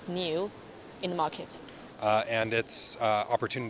dan juga ini adalah waktunya untuk menemui teman teman di seluruh dunia